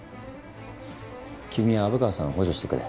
君は虻川さんを補助してくれ。